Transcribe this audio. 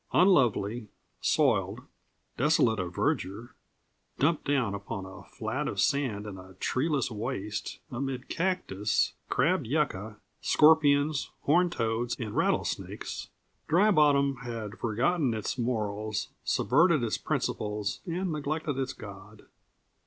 Unlovely, soiled, desolate of verdure, dumped down upon a flat of sand in a treeless waste, amid cactus, crabbed yucca, scorpions, horned toads, and rattlesnakes. Dry Bottom had forgotten its morals, subverted its principles, and neglected its God.